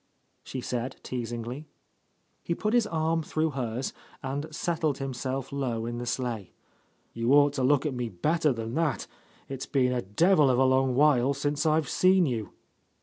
she said teasingly. He put his arm through hers and settled him self low in the sleigh. "You ought to look at me better than that. It's been a devil of a long while since I've seen you."